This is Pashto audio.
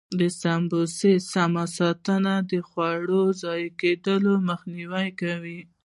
د سبو سمه ساتنه د خوړو ضایع کېدو مخنیوی کوي.